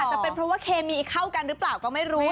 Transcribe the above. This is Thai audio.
จะเป็นเพราะว่าเคมีเข้ากันหรือเปล่าก็ไม่รู้